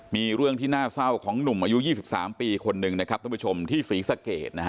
มีเรื่องที่น่าเศร้าของหนุ่มอายุ๒๓ปีคนหนึ่งที่สีสะเกด